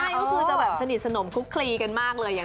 ใช่ก็คือจะแบบสนิทสนมคลุกคลีกันมากเลย